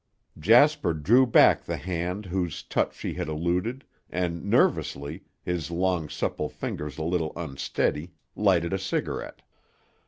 Jasper drew back the hand whose touch she had eluded, and nervously, his long supple fingers a little unsteady, lighted a cigarette.